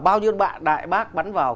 bao nhiêu đạn đại bác bắn vào